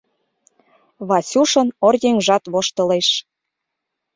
— Васюшын оръеҥжат воштылеш.